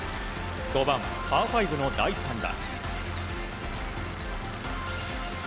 ５番、パー５の第３打。